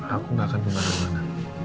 aku nggak akan kemana mana